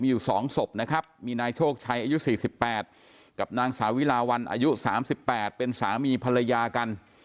มีอยู่๒ศพนะครับมีนายโชคชัยอายุ๔๘กับนางสาวิลาวันอายุ๓๘เป็นสามีภรรยากัน